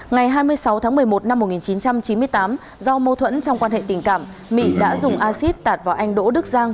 ngày hai mươi sáu tháng một mươi một năm một nghìn chín trăm chín mươi tám do mâu thuẫn trong quan hệ tình cảm mỹ đã dùng acid tạt vào anh đỗ đức giang